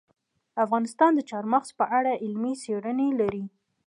افغانستان د چار مغز په اړه علمي څېړنې لري.